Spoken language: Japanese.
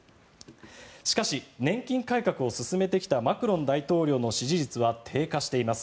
しかし、年金改革を続けてきたマクロン大統領の支持率は低下しています。